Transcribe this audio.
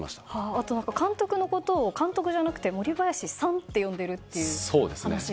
あと監督のことを監督じゃなくて森林さんと呼んでいるという話が。